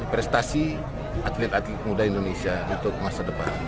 prestasi atlet atlet muda indonesia untuk masa depan